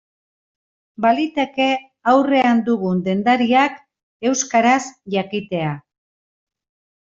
Baliteke aurrean dugun dendariak euskaraz jakitea.